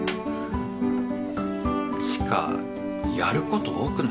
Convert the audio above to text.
知花やること多くない？